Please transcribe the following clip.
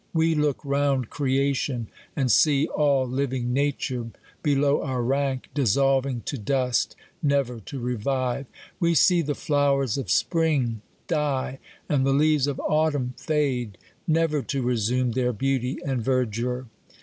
We look round creation, and see all living nature, be low our rank, dissolving to dust ; never to revive. We see the flowers of spring die, and the leaves of autumn fade ; never to resume their beauty and verdure.